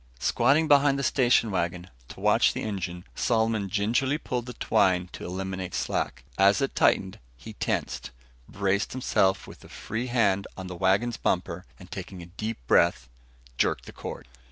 Squatting behind the station wagon, to watch the engine, Solomon gingerly pulled the twine to eliminate slack. As it tightened, he tensed, braced himself with a free hand on the wagon's bumper, and taking a deep breath, jerked the cord.